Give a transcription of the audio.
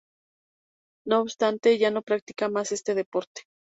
No obstante, ya no practica más este deporte.